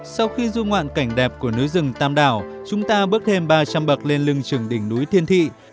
sau khi du ngoạn cảnh đẹp của núi rừng tam đảo chúng ta bước thêm ba trăm linh bậc lên lưng trừng đỉnh núi thiên thị